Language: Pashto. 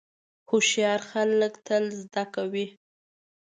هوښیار خلک تل زده کوي.